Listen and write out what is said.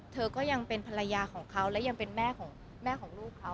เธอก็ยังเป็นภรรยาของเขาและยังเป็นแม่ของแม่ของลูกเขา